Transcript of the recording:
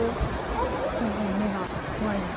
ちょっとやはり眼が怖いですか。